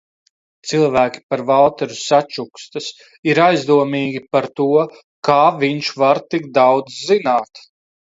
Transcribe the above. Cilvēki par Valteru sačukstas, ir aizdomīgi par to, kā viņš var tik daudz zināt.